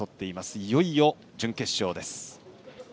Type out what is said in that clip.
いよいよ準決勝です。